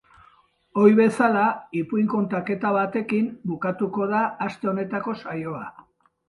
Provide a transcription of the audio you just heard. Ohi bezala, ipuin kontaketa batekin bukatuko da aste honetako saioa.